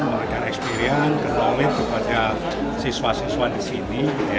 memberikan experience knowledge kepada siswa siswa di sini